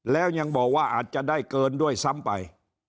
แล้วยังบอกว่าอาจจะได้เกินด้วยซ้ำไป